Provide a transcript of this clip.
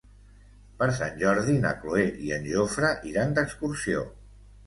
Per Sant Jordi na Cloè i en Jofre iran d'excursió.